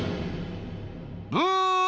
［ブー！］